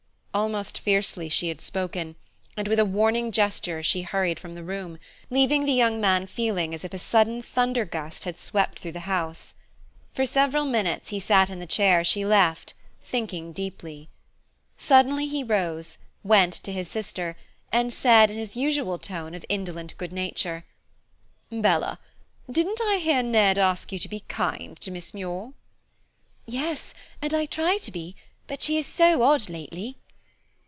Almost fiercely she had spoken, and with a warning gesture she hurried from the room, leaving the young man feeling as if a sudden thunder gust had swept through the house. For several minutes he sat in the chair she left, thinking deeply. Suddenly he rose, went to his sister, and said, in his usual tone of indolent good nature, "Bella, didn't I hear Ned ask you to be kind to Miss Muir?" "Yes, and I try to be, but she is so odd lately."